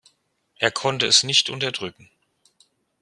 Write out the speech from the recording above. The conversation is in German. Er konnte es nicht unterdrücken.